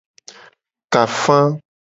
Ka afa.